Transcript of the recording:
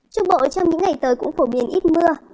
trung bộ trong những ngày tới cũng phổ biến ít mưa